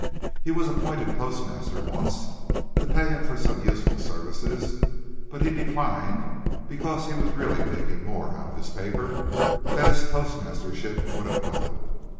He was appointed postmaster once to pay him for some useful services, but he declined because he was really making more out of his paper than his postmastership would have brought.